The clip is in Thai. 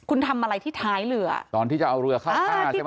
คุณทำอะไรที่ท้ายเรือตอนที่จะเอาเรือเข้าท่าใช่ไหม